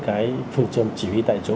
cái phương châm chỉ huy tại chỗ